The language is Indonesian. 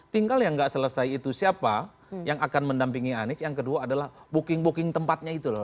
tinggal yang nggak selesai itu siapa yang akan mendampingi anies yang kedua adalah booking booking tempatnya itu loh